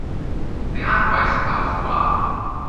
你呃鬼食豆腐呀